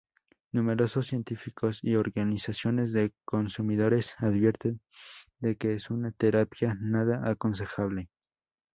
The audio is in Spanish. Numerosos científicos y organizaciones de consumidores advierten de que es una terapia nada aconsejable.